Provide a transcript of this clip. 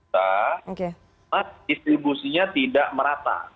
tapi distribusinya tidak merata